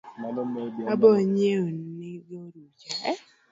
Abo nyieo ni go orucha